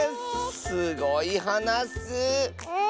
すごいはなッス！